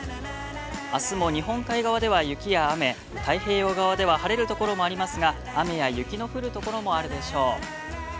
あすも日本海側では雪や雨、太平洋側では晴れるところもありますが、雨や雪の降るところもあるでしょう。